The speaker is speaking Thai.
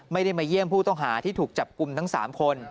ไม่ได้มาเยี่ยมผู้ต้องหาที่ถูกจับกลุ่มทั้ง๓คน